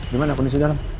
gimana kondisi dalam